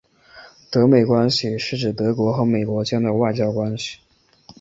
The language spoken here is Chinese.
德美关系是指德国和美国间的外交关系。